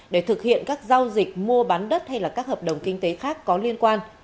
để thực hiện các giao dịch mua bán đất hay các hợp đồng kinh tế khác có liên quan